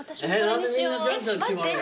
何でみんなじゃんじゃん決まるの？